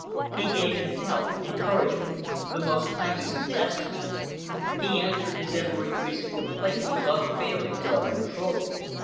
He gave him help, encouragement, the most timely suggestions. He answered his ever increasing complaints with unfailing self control.